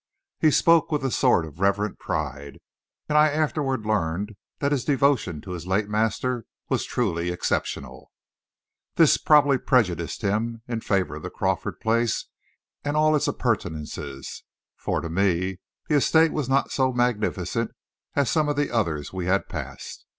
He spoke with a sort of reverent pride, and I afterward learned that his devotion to his late master was truly exceptional. This probably prejudiced him in favor of the Crawford place and all its appurtenances, for, to me, the estate was not so magnificent as some of the others we had passed.